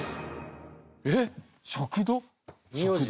えっ食道？